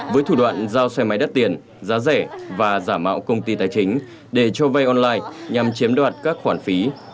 với thủ đoạn giao xe máy đắt tiền giá rẻ và giả mạo công ty tài chính để cho vay online nhằm chiếm đoạt các khoản phí